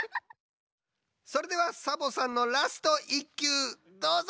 それではサボさんのラスト１きゅうどうぞ！